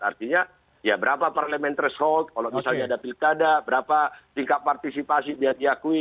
artinya ya berapa parliamentary hot kalau misalnya ada pilkada berapa tingkat partisipasi dia diakui